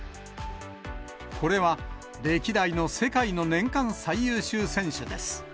これは歴代の世界の年間最優秀選手です。